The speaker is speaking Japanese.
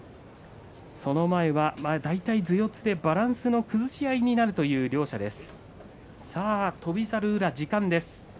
その前は大体頭四つでバランスの崩し合いになるという両者です。